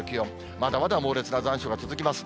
まだまだ猛烈な残暑が続きます。